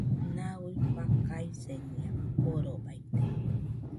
Nau fakaisenia korobaite